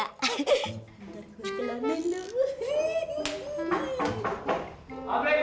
ntar gue keluar dulu